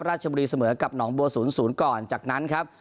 ราชบุรีเสมอกับหนองบัว๐๐ก่อนจากนั้นครับ